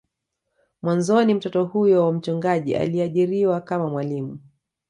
Mwanzoni mtoto huyo wa mchungaji aliajiriwa kama mwalimu